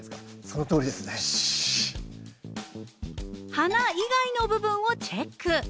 花以外の部分をチェック。